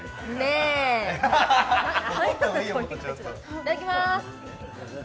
いただきまーす。